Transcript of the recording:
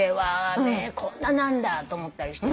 目こんななんだと思ったりして。